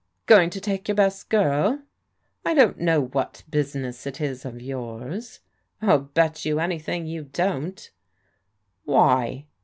" Going to take your best girl ?"" I don't know what business it is of yours." " 111 bet you anything you don't." "Why?"